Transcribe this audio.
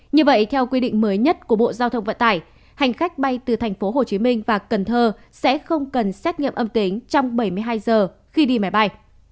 như vậy theo quy định mới nhất của bộ giao thông vận tải hành khách bay từ tp hcm và cần thơ sẽ không cần xét nghiệm âm tính trong bảy mươi hai giờ khi đi máy bay